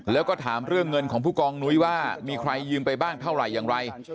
แล้วก็ถามเรื่องเงินของผู้กองนุ้ยว่ามีใครยืมไปบ้างเท่าไหร่อย่างไร